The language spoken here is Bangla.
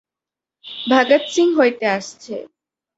ভাগাত সিং হইতে আসছে।